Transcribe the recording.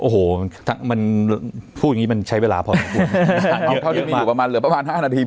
พูดแบบนี้ใช้เวลาเท่านี้เท่าที่มีอยู่เหลือประมาณ๕นาที